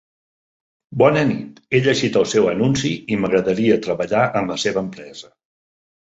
Bona nit, he llegit el seu anunci i m'agradaria treballar en la seva empresa.